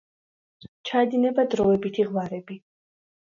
ჩაედინება დროებითი ღვარები.